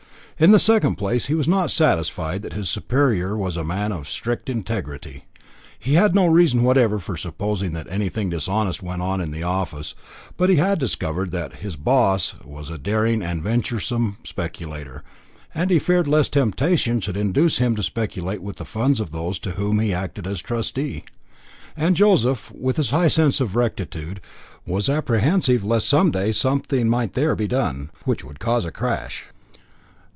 In the second place, he was not satisfied that his superior was a man of strict integrity. He had no reason whatever for supposing that anything dishonest went on in the office, but he had discovered that his "boss" was a daring and venturesome speculator, and he feared lest temptation should induce him to speculate with the funds of those to whom he acted as trustee. And Joseph, with his high sense of rectitude, was apprehensive lest some day something might there be done, which would cause a crash.